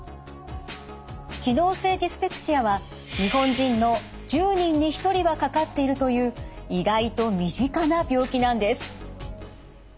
機能性ディスペプシアは日本人の１０人に１人はかかっているという意外と身近な病気なんです。